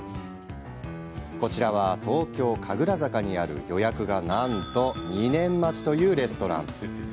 こちらは東京・神楽坂にある予約がなんと２年待ちというレストラン。